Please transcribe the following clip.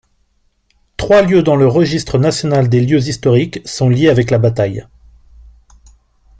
Trois lieux dans le Registre national des lieux historiques sont liés avec la bataille.